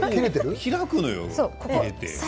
開くのよ。